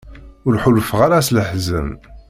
Ur ḥulfaɣ ara s leḥzen.